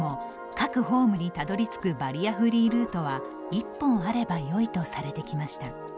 各ホームにたどりつくバリアフリールートは１本あればよいとされてきました。